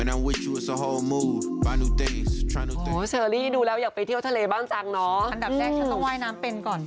อันดับแรกฉันต้องว่ายน้ำเป็นก่อน